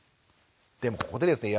でもここでですね